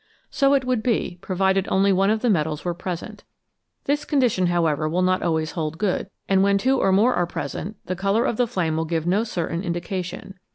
So it would be, provided only one of the metals was present ; this condition, however, will not always hold good, and when two or more are present the colour of the flame will give no certain indication.